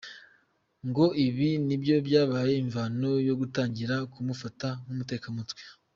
Ngo ibi nibyo byabaye imvano yo gutangira kumufata nk’ umutekamutwe.